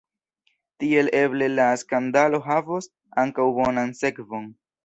Tiel eble la skandalo havos ankaŭ bonan sekvon.